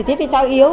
cháu bị sốt yếu